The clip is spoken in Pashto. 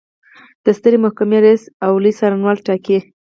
د سترې محکمې رئیس او لوی څارنوال ټاکي.